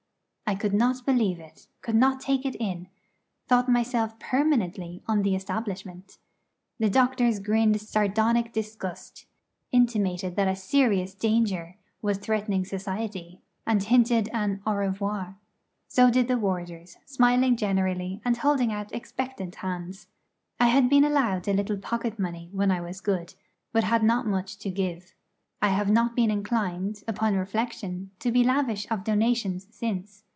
I could not believe it could not take it in; thought myself permanently 'on the establishment.' The doctors grinned sardonic disgust; intimated that a serious danger was threatening society, and hinted an au revoir. So did the warders, smiling generally, and holding out expectant hands. I had been allowed a little pocket money when I was good, but had not much to give. I have not been inclined, upon reflection, to be lavish of donations since.